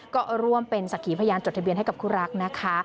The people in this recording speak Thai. ก็ร่วมเป็นสักขีพยานจดทะเบียนให้กับคู่รักนะคะ